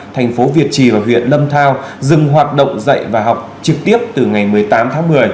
thành phố việt trì và huyện lâm thao dừng hoạt động dạy và học trực tiếp từ ngày một mươi tám tháng một mươi